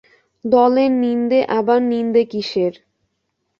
দলের নিন্দে আবার নিন্দে কিসের!